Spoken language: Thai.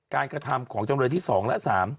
การกระทำของจำเรียนที่๒และ๓